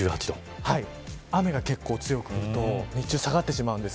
雨が結構強く降ると日中下がります。